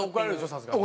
さすがに。